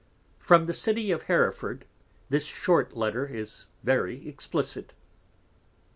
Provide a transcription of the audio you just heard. From the City of Hereford, _this short Letter is very explicit.